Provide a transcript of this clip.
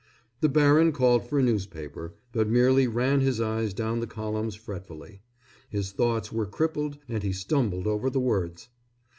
The baron called for a newspaper, but merely ran his eyes down the columns fretfully. His thoughts were crippled and he stumbled over the words.